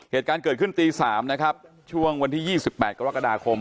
เหตุการณ์เกิดขึ้นตี๓นะครับช่วงวันที่๒๘กรกฎาคม